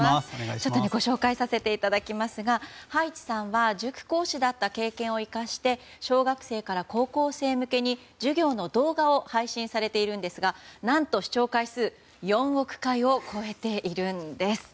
ちょっとご紹介させていただきますが葉一さんは塾講師だった経験を生かして小学生から高校生向けに授業の動画を配信されているんですが何と、視聴回数４億回を超えているんです。